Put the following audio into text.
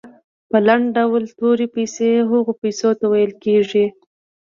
په لنډ ډول تورې پیسې هغو پیسو ته ویل کیږي.